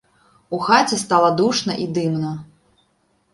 У хаце стала душна і дымна.